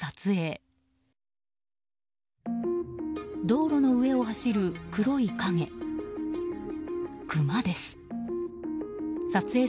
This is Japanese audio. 道路の上を走る黒い影。